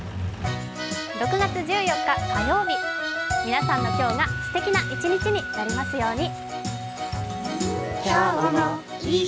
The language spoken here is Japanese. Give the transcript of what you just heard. ６月１４日火曜日、皆さんの今日が素敵な一日になりますように。